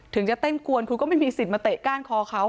ถึงจะเต้นกวนคุณก็ไม่มีสิทธิ์มาเตะก้านคอเขา